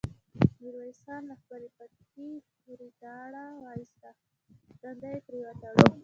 ميرويس خان له خپل پټکي ريتاړه واېسته، تندی يې پرې وتاړه.